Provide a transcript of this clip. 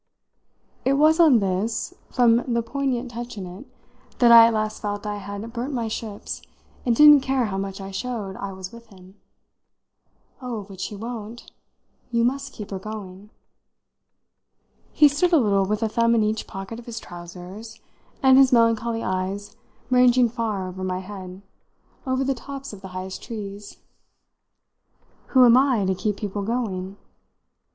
It was on this from the poignant touch in it that I at last felt I had burnt my ships and didn't care how much I showed I was with him. "Oh, but she won't. You must keep her going." He stood a little with a thumb in each pocket of his trousers, and his melancholy eyes ranging far over my head over the tops of the highest trees. "Who am I to keep people going?"